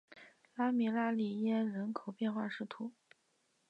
拉米拉里耶人口变化图示